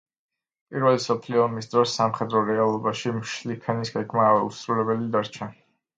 პირველი მსოფლიო ომის დროს სამხედრო რეალობაში შლიფენის გეგმა აუსრულებელი დარჩა.